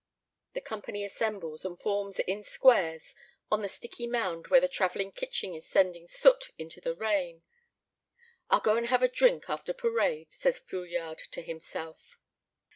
The company assembles and forms in squares on the sticky mound where the traveling kitchen is sending soot into the rain. "I'll go and have a drink after parade," says Fouillade to himself.